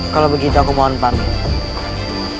kalau begitu saya mohon pamit